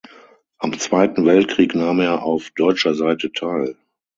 Am Zweiten Weltkrieg nahm er auf deutscher Seite teil.